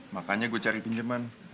makanya gue cari pinjeman